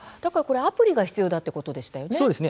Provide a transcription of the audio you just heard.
アプリが必要だということですね。